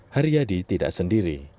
haryadi tidak sendiri